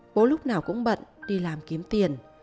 bố lúc nào cũng bận đi làm kiếm tiền